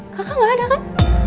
kakak gak ada kan